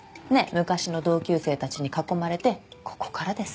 昔の同級生たちに囲まれてここからです